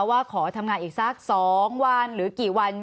ว่าขอทำงานอีกสัก๒วันหรือกี่วัน